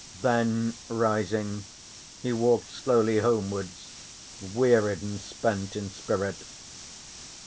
Then, rising, he walked slowly homewards, wearied and spent in spirit.